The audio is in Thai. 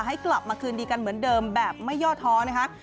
ให้กลับมาคืนดีกันเหมือนเดิมแบบไม่ย่อท้อนะคะ